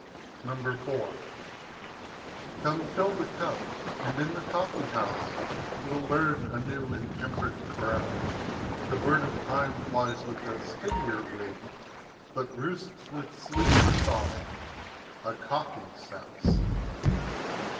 IV Come, fill the Cup, and in the Coffee house We'll learn a new and temperate Carouse The Bird of Time flies with a steadier wing But roosts with sleepless Eye a Coffee Souse!